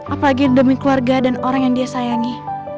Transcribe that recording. apalagi demi keluarga dan orang yang dia sayangi